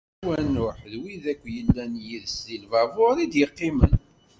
Siwa Nuḥ d wid akk yellan yid-s di lbabuṛ i d-iqqimen.